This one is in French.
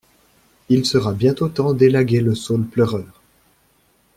Il sera bientôt temps d'élaguer le saule pleureur.